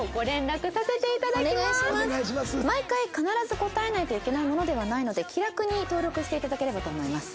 毎回必ず答えないといけないものではないので気楽に登録して頂ければと思います。